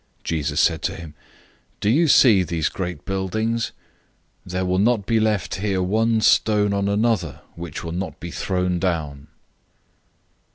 013:002 Jesus said to him, "Do you see these great buildings? There will not be left here one stone on another, which will not be thrown down."